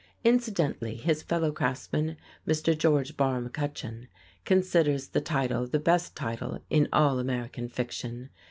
Incidentally, his fellow craftsman, Mr. George Barr McCutcheon, considers the title the best title in all American fiction.